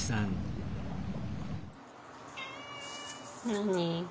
何？